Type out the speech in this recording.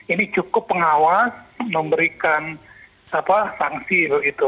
ini cukup pengawas memberikan sanksi begitu